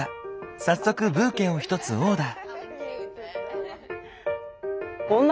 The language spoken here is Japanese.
早速ブーケを１つオーダー。